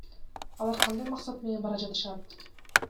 Алар кандай максат менен бара жатышат?